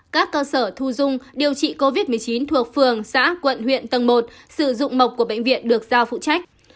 các cơ sở thu dung điều trị covid một mươi chín thuộc phường xã quận huyện tầng một sử dụng mộc của bệnh viện được giao phụ trách